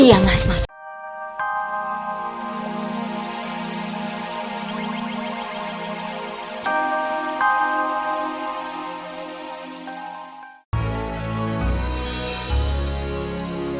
iya mas mas masuk